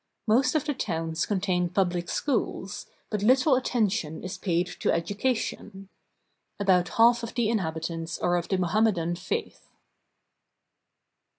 Most of the towns con tain public schools, but little attention is paid to education. About half of the inhabitants are of the Mohammedan faith.